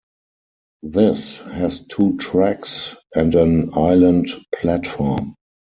This has two tracks and an island platform.